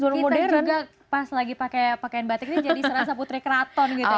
kita juga pas lagi pakaian batik ini jadi serasa putri keraton